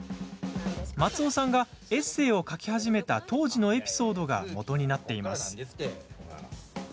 松尾さんがエッセーを書き始めた当時のエピソードが元になっています。